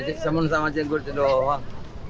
bisa disamain sama cengkur cendawang